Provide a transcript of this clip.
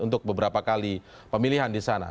untuk beberapa kali pemilihan di sana